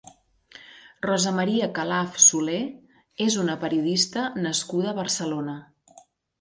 Rosa Maria Calaf Solé és una periodista nascuda a Barcelona.